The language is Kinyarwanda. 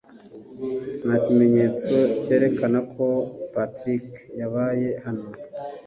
nta kimenyetso cyerekana ko patrick yabaye hano